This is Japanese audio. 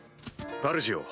あるじよ